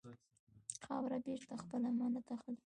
خاوره بېرته خپل امانت اخلي.